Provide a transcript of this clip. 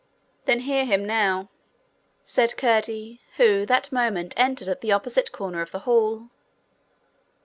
'Then hear him now,' said Curdie, who that moment entered at the opposite corner of the hall.